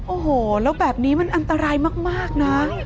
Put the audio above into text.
โอ้โหแล้วแบบนี้มันอันตรายมากนะ